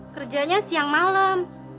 kerjanya siang malam